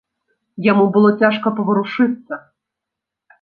Яму было цяжка паварушыцца.